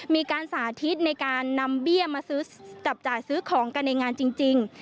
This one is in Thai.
มีการสาธิตในการนำเบี้ยมาซื้อจับจ่ายซื้อของกันในงานจริง